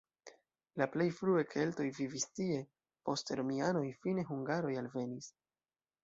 La plej frue keltoj vivis tie, poste romianoj, fine hungaroj alvenis.